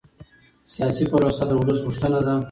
سیاسي پروسه د ولس غوښتنه ده